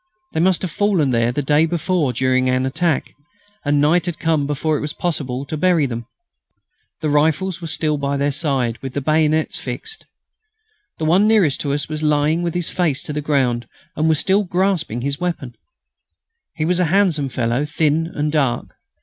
They must have fallen there the day before during an attack, and night had come before it had been possible to bury them. Their rifles were still by their side, with the bayonets fixed. The one nearest to us was lying with his face to the ground and was still grasping his weapon. He was a handsome fellow, thin and dark.